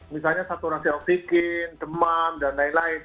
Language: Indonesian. misalnya saturasi oksigen demam dan lain lain